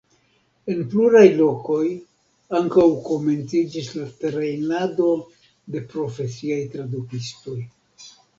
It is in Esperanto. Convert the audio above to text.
En pluraj lokoj ankaŭ komenciĝis la trejnado de profesiaj tradukistoj.